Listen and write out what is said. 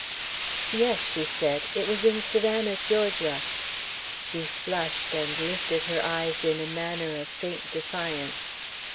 "Yes," she said. "It was in Savannah, Georgia." She flushed, and lifted her eyes in a manner of faint defiance.